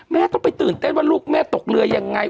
แม่ต้องไปตื่นเต้นว่าลูกแม่ตกเรือยังไง